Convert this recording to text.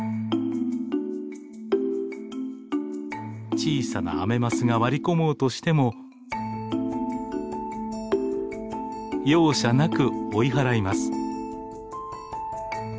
小さなアメマスが割り込もうとしても容赦なく追い払います。